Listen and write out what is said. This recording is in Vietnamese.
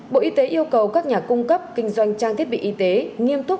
bộ y tế yêu cầu các nhà cung cấp kinh doanh trang thiết bị y tế nghiêm túc